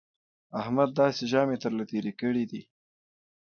احمد داسې ژامې تر له تېرې کړې دي